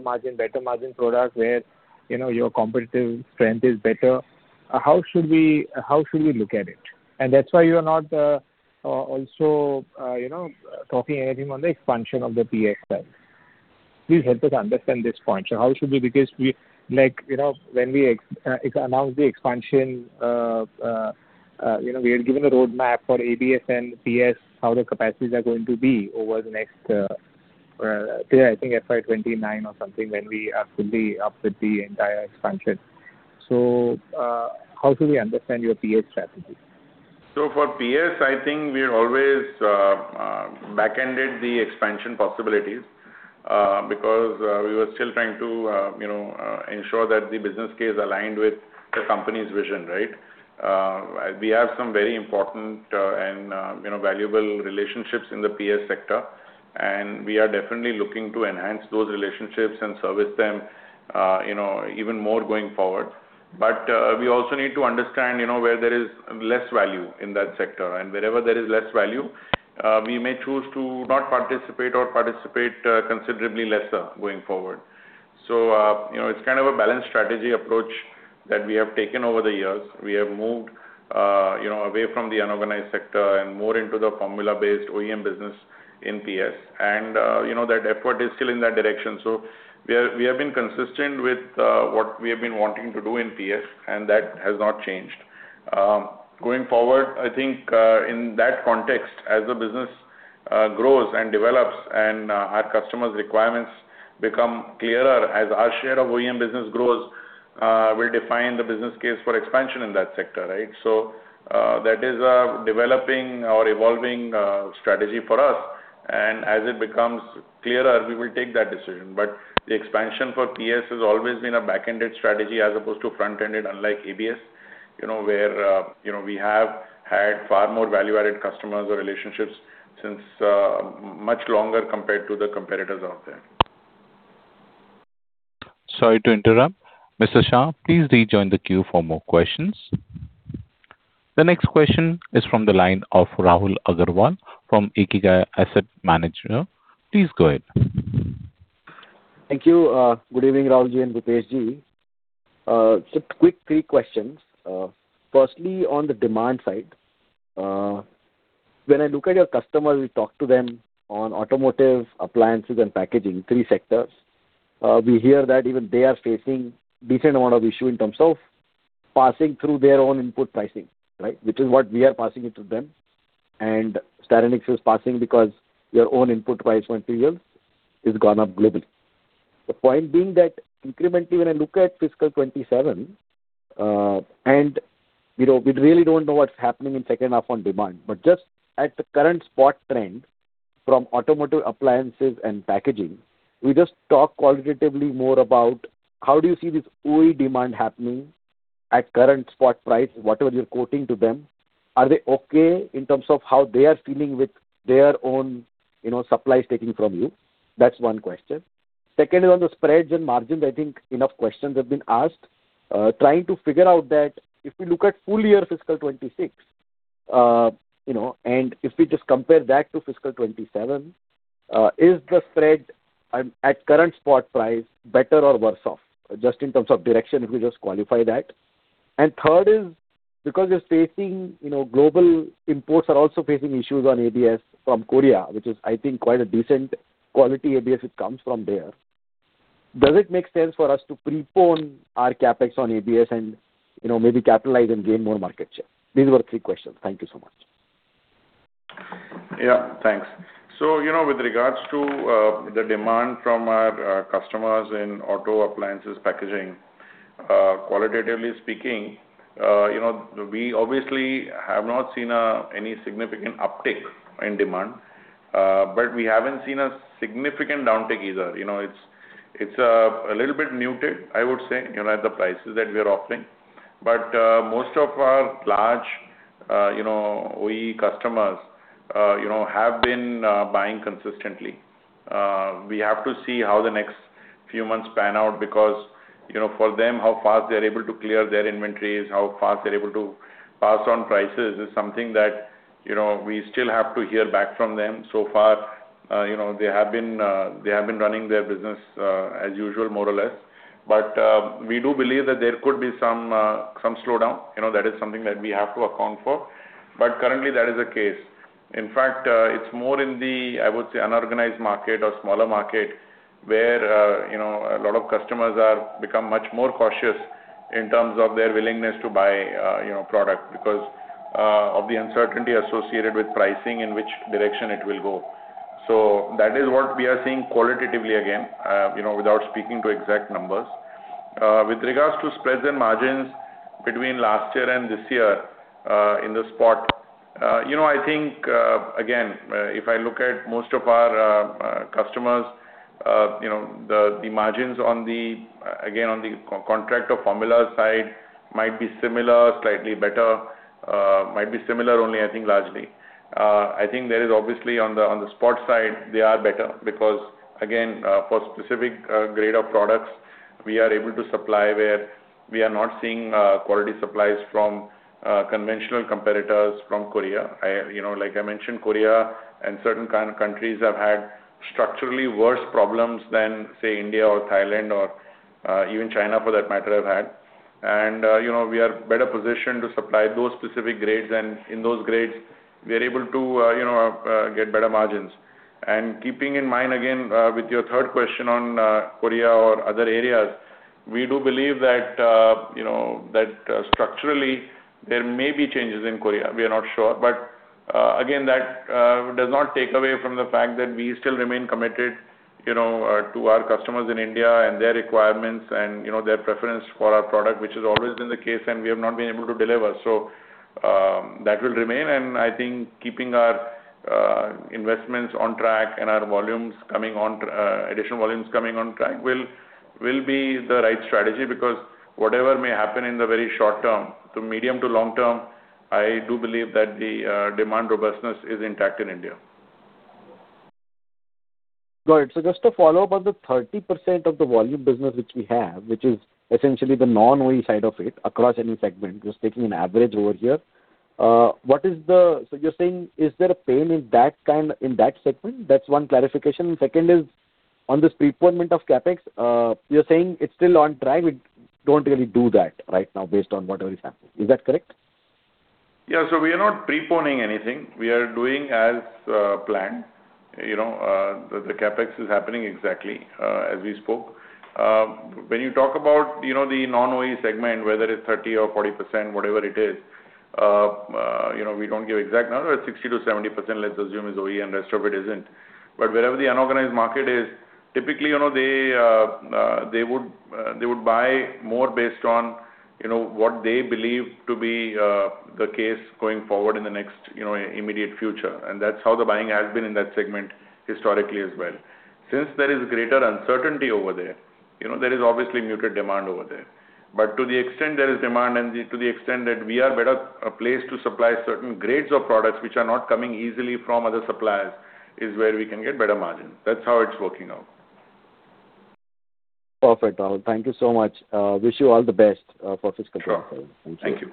margin, better margin products where, you know, your competitive strength is better? How should we look at it? That's why you are not also, you know, talking anything on the expansion of the PS side. Please help us understand this point, sir. Like, you know, when we announced the expansion, you know, we had given a roadmap for ABS and PS, how the capacities are going to be over the next till I think FY 2029 or something when we are fully up with the entire expansion. How should we understand your PS strategy? For PS, I think we've always backended the expansion possibilities, because we were still trying to, you know, ensure that the business case aligned with the company's vision, right? We have some very important and, you know, valuable relationships in the PS sector, and we are definitely looking to enhance those relationships and service them, you know, even more going forward. We also need to understand, you know, where there is less value in that sector. Wherever there is less value, we may choose to not participate or participate considerably lesser going forward. You know, it's kind of a balanced strategy approach that we have taken over the years. We have moved, you know, away from the unorganized sector and more into the formula-based OEM business in PS. You know, that effort is still in that direction. We have been consistent with what we have been wanting to do in PS, and that has not changed. Going forward, I think, in that context, as the business grows and develops and our customers' requirements become clearer, as our share of OEM business grows, we'll define the business case for expansion in that sector, right? That is a developing or evolving strategy for us. As it becomes clearer, we will take that decision. The expansion for PS has always been a backended strategy as opposed to front-ended, unlike ABS, you know, where, you know, we have had far more value-added customers or relationships since much longer compared to the competitors out there. Sorry to interrupt. Mr. Shah, please rejoin the queue for more questions. The next question is from the line of Rahul Agarwal from Ikigai Asset Manager. Please go ahead. Thank you. Good evening, Rahul Ji and Bhupesh Ji. Just quick three questions. Firstly, on the demand side, when I look at your customers, we talk to them on automotive, appliances and packaging, three sectors. We hear that even they are facing decent amount of issue in terms of passing through their own input pricing, right? Which is what we are passing it to them, and Styrenix is passing because their own input price materials has gone up globally. The point being that incrementally, when I look at fiscal 2027, and you know, we really don't know what's happening in second half on demand. Just at the current spot trends from automotive, appliances and packaging, will you just talk qualitatively more about how do you see this OE demand happening at current spot price, whatever you're quoting to them? Are they okay in terms of how they are feeling with their own, you know, supplies taking from you? That's one question. Second is on the spreads and margins. I think enough questions have been asked. Trying to figure out that if we look at full year fiscal 2026, you know, and if we just compare that to fiscal 2027, is the spread at current spot price better or worse off? Just in terms of direction, if you just qualify that. Third is because you're facing, you know, global imports are also facing issues on ABS from Korea, which is I think quite a decent quality ABS that comes from there. Does it make sense for us to prepone our CapEx on ABS and, you know, maybe capitalize and gain more market share? These were three questions. Thank you so much. Yeah, thanks. You know, with regards to, you know, the demand from our customers in auto appliances packaging, qualitatively speaking, you know, we obviously have not seen any significant uptick in demand, but we haven't seen a significant downtick either. You know, it's a little bit muted, I would say, you know, at the prices that we are offering. Most of our large, you know, OE customers, you know, have been buying consistently. We have to see how the next few months pan out because, you know, for them, how fast they're able to clear their inventories, how fast they're able to pass on prices is something that, you know, we still have to hear back from them. Far, you know, they have been, they have been running their business as usual, more or less. We do believe that there could be some slowdown. You know, that is something that we have to account for. Currently that is the case. In fact, it's more in the, I would say, unorganized market or smaller market where, you know, a lot of customers are become much more cautious in terms of their willingness to buy, product because of the uncertainty associated with pricing, in which direction it will go. That is what we are seeing qualitatively again, you know, without speaking to exact numbers. With regards to spreads and margins between last year and this year, in the spot, you know, I think again, if I look at most of our customers, you know, the margins on the again, on the contract or formula side might be similar, slightly better, might be similar only I think largely. I think there is obviously on the on the spot side they are better because again, for specific grade of products we are able to supply where we are not seeing quality supplies from conventional competitors from Korea. You know, like I mentioned, Korea and certain kind of countries have had structurally worse problems than say India or Thailand or even China for that matter have had. You know, we are better positioned to supply those specific grades and in those grades we are able to, you know, get better margins. Keeping in mind again, with your third question on, Korea or other areas, we do believe that, you know, that structurally there may be changes in Korea. We are not sure. Again, that, does not take away from the fact that we still remain committed, you know, to our customers in India and their requirements and, you know, their preference for our product, which has always been the case and we have not been able to deliver. That will remain, and I think keeping our investments on track and our volumes coming on, additional volumes coming on track will be the right strategy because whatever may happen in the very short term to medium to long term, I do believe that the demand robustness is intact in India. Got it. Just to follow up on the 30% of the volume business which we have, which is essentially the non-OEM side of it across any segment, just taking an average over here. You're saying is there a pain in that segment? That's one clarification. Second is on this preponement of CapEx, you're saying it's still on track. We don't really do that right now based on whatever is happening. Is that correct? Yeah. We are not preponing anything. We are doing as planned. You know, the CapEx is happening exactly as we spoke. When you talk about, you know, the non-OE segment, whether it's 30% or 40%, whatever it is, you know, we don't give exact number. 60%-70%, let's assume is OE and rest of it isn't. Wherever the unorganized market is, typically, you know, they would buy more based on, you know, what they believe to be the case going forward in the next, you know, immediate future. That's how the buying has been in that segment historically as well. Since there is greater uncertainty over there, you know, there is obviously muted demand over there. To the extent there is demand and to the extent that we are better placed to supply certain grades of products which are not coming easily from other suppliers is where we can get better margins. That's how it's working out. Perfect, Rahul Agrawal. Thank you so much. Wish you all the best for fiscal 2023. Sure. Thank you. Thank you.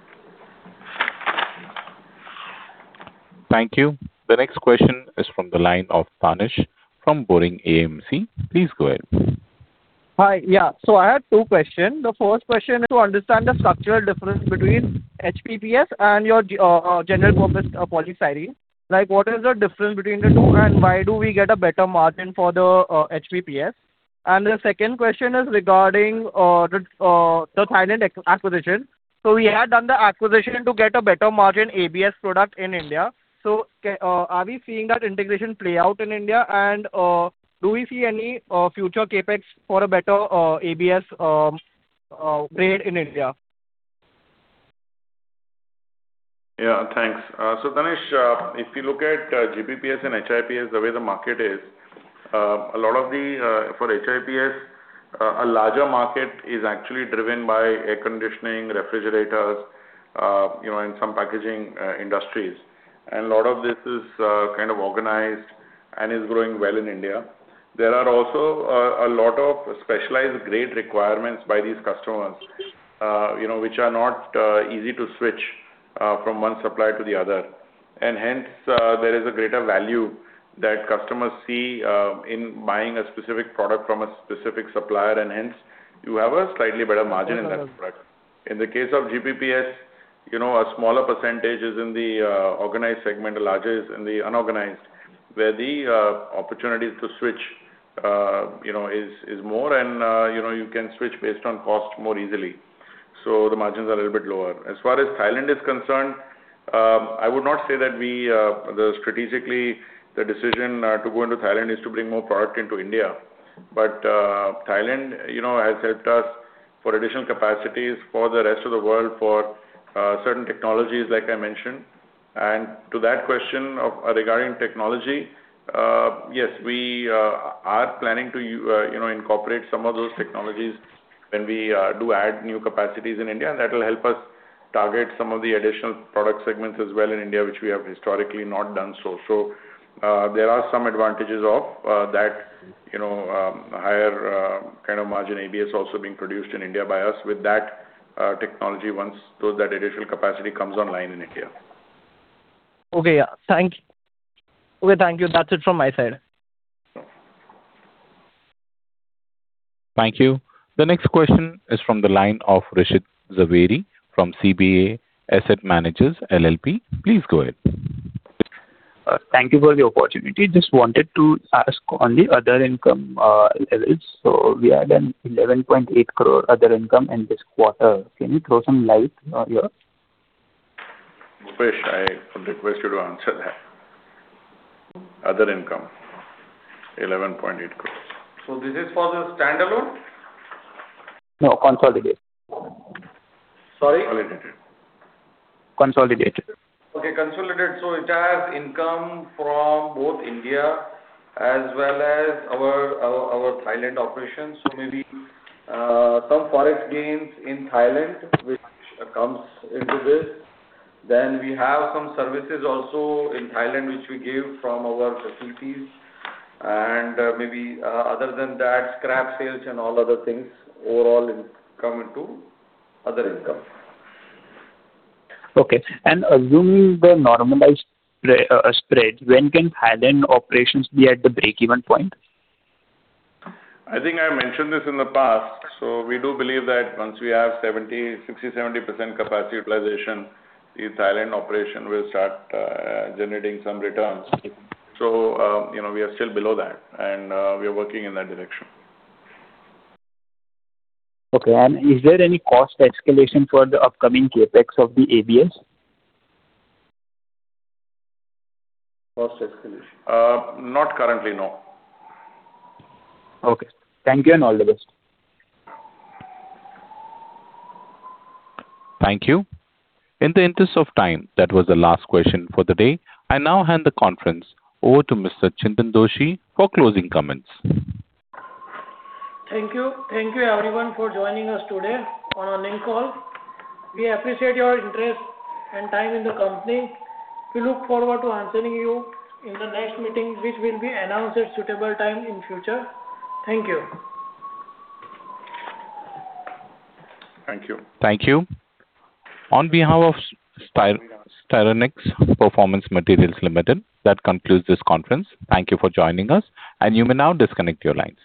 Thank you. The next question is from the line of [Vanish] from Boring AMC. Please go ahead. Hi. Yeah. I have two questions. The first question is to understand the structural difference between HIPS and your general purpose polystyrene. Like, what is the difference between the two and why do we get a better margin for the HIPS? The second question is regarding the Thailand acquisition. We had done the acquisition to get a better margin ABS product in India. Are we seeing that integration play out in India? Do we see any future CapEx for a better ABS grade in India? Yeah, thanks. [Vanish], if you look at GPPS and HIPS, the way the market is, a lot of the For HIPS, a larger market is actually driven by air conditioning, refrigerators, you know, and some packaging industries. A lot of this is kind of organized and is growing well in India. There are also a lot of specialized grade requirements by these customers, you know, which are not easy to switch from one supplier to the other. Hence, there is a greater value that customers see in buying a specific product from a specific supplier, and hence you have a slightly better margin in that product. In the case of GPPS, you know, a smaller percentage is in the organized segment, larger is in the unorganized, where the opportunities to switch, you know, is more and, you know, you can switch based on cost more easily. The margins are a little bit lower. As far as Thailand is concerned, I would not say that we, the strategically the decision to go into Thailand is to bring more product into India. Thailand, you know, has helped us for additional capacities for the rest of the world for certain technologies, like I mentioned. To that question of, regarding technology, yes, we are planning to, you know, incorporate some of those technologies when we do add new capacities in India, and that will help us target some of the additional product segments as well in India, which we have historically not done so. There are some advantages of that, you know, higher kind of margin ABS also being produced in India by us with that technology once those, that additional capacity comes online in India. Okay. Yeah. Thank you. That's it from my side. Thank you. The next question is from the line of Hrishit Jhaveri from CBA Asset Managers LLP. Please go ahead. Thank you for the opportunity. Just wanted to ask on the other income levels. We had an 11.8 crore other income in this quarter. Can you throw some light on here? Bhupesh, I would request you to answer that. Other income, 11.8 crore. This is for the standalone? No, consolidated. Sorry? Consolidated. Okay, consolidated. It has income from both India as well as our Thailand operations. Maybe some Forex gains in Thailand which comes into this. We have some services also in Thailand which we give from our facilities. Maybe, other than that, scrap sales and all other things overall come into other income. Okay. Assuming the normalized spread, when can Thailand operations be at the break-even point? I think I mentioned this in the past. We do believe that once we have 70% capacity utilization, the Thailand operation will start generating some returns. You know, we are still below that and we are working in that direction. Okay. Is there any cost escalation for the upcoming CapEx of the ABS? Cost escalation. Not currently, no. Okay. Thank you and all the best. Thank you. In the interest of time, that was the last question for the day. I now hand the conference over to Mr. Chintan Doshi for closing comments. Thank you. Thank you everyone for joining us today on our link call. We appreciate your interest and time in the company. We look forward to answering you in the next meeting, which will be announced at suitable time in future. Thank you. Thank you. Thank you. On behalf of Styrenix Performance Materials Limited, that concludes this conference. Thank you for joining us, and you may now disconnect your lines.